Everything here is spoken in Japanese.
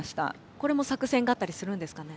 これも作戦があったりするんですかね？